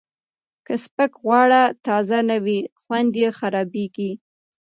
که سپک خواړه تازه نه وي، خوند یې خرابېږي.